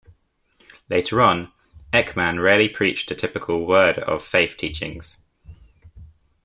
Later on, Ekman rarely preached the typical Word of Faith teachings.